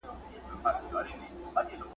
په لمنو کي لالونه ..